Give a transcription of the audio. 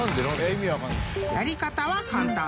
［やり方は簡単］